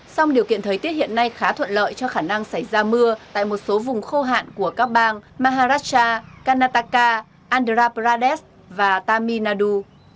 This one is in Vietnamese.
song điều kiện thời tiết hiện nay khá thuận lợi cho khả năng xảy ra mưa tại một số vùng khô hạn của các bang maharashtra karnataka andhra pradesh và tamil nadu